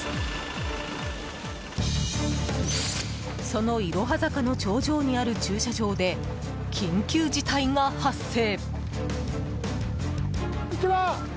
そのいろは坂の頂上にある駐車場で、緊急事態が発生！